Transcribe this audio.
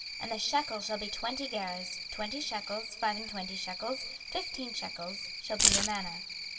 26:045:012 And the shekel shall be twenty gerahs: twenty shekels, five and twenty shekels, fifteen shekels, shall be your maneh.